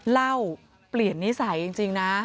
เล่าเปลี่ยนนิสัยจริงนะ